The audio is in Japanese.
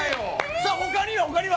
他には？